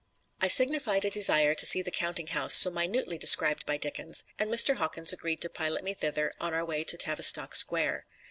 I signified a desire to see the counting house so minutely described by Dickens, and Mr. Hawkins agreed to pilot me thither on our way to Tavistock Square.